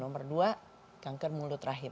nomor dua kanker mulut rahim